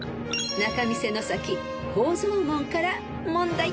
［仲見世の先宝蔵門から問題］